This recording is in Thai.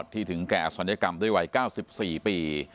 ถึงแก่อศัลยกรรมด้วยวัย๙๔ปี